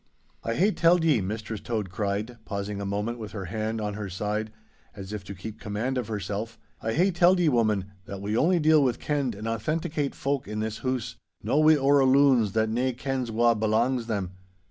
'I hae telled ye,' Mistress Tode cried, pausing a moment with her hand on her side, as if to keep command of herself, 'I hae telled ye, woman, that we only deal with kenned and authenticate folk in this hoose—no wi' orra loons, that nane kens wha belangs them!